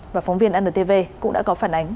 và phóng viên ntv cũng đã có phản ánh